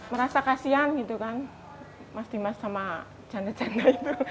merasa kasihan gitu kan mas dimas sama janda janda itu